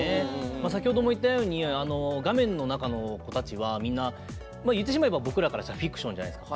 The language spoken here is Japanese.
先ほども言ったように画面の中の子たちは言ってしまえばフィクションじゃないですか。